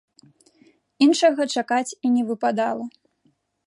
Іншага чакаць і не выпадала.